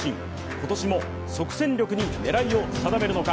今年も即戦力に狙いを定めるのか。